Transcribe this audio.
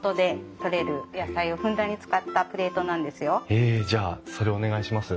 へえじゃあそれお願いします。